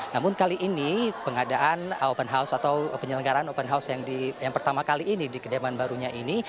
namun kali ini pengadaan open house atau penyelenggaran open house yang pertama kali ini di kediaman barunya ini